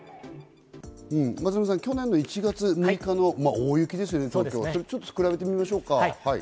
松並さん、去年の１月６日の大雪、それと比べてみましょうか。